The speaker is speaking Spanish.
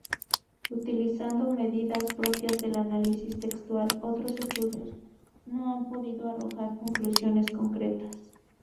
Utilizando medidas propias del análisis textual, otros estudios no han podido arrojar conclusiones concretas.